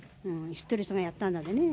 知ってる人がやったんだでねえ。